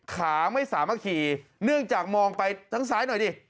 ขาไม่สามารถขี่เนื่องจากมองไปทั้งซ้ายหน่อยดิ